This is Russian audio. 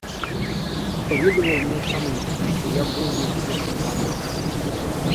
Кто видывал, не усомнится, что я был бы услышан Тамарой.